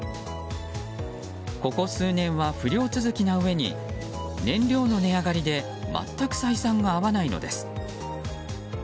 ここ数年は不漁続きなうえに燃料の値上がりで全く採算が合わないのです。